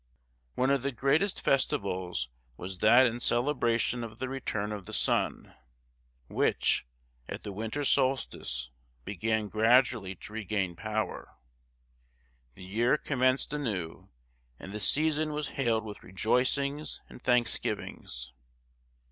One of the greatest festivals was that in celebration of the return of the sun; which, at the winter solstice, began gradually to regain power, the year commenced anew, and the season was hailed with rejoicings and thanksgivings.